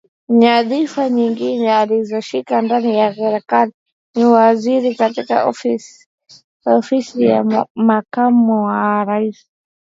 Nyadhifa nyingine alizoshika ndani ya Serikali ni Waziri katika Ofisi ya Makamu wa Rais